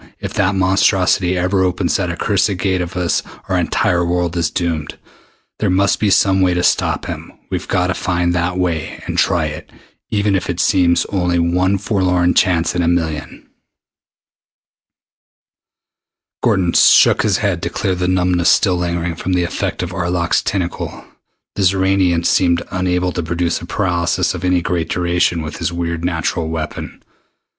If that monstrosity ever opens that accursed Gate of his our entire world is doomed. There must be some way to stop him. We've got to find that way and try it even if it seems only one forlorn chance in a million." Gordon shook his head to clear the numbness still lingering from the effect of Arlok's tentacle. The Xoranian seemed unable to produce a paralysis of any great duration with his weird natural weapon.